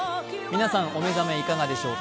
皆さん、お目覚めいかがでしょうか。